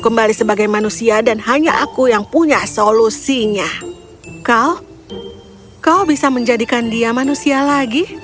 kembali sebagai manusia dan hanya aku yang punya solusinya kau kau bisa menjadikan dia manusia lagi